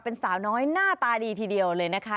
เป็นสาวน้อยหน้าตาดีทีเดียวเลยนะคะ